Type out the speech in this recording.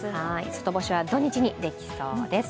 外干しは土日にできそうです。